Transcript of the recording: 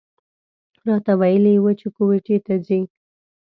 راته ویلي و چې کویټې ته ځي.